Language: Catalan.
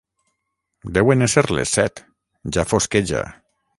Deuen ésser les set: ja fosqueja.